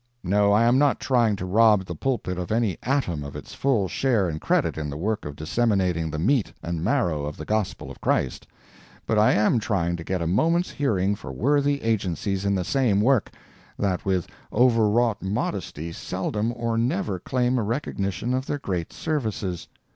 No, I am not trying to rob the pulpit of any atom of its full share and credit in the work of disseminating the meat and marrow of the gospel of Christ; but I am trying to get a moment's hearing for worthy agencies in the same work, that with overwrought modesty seldom or never claim a recognition of their great services.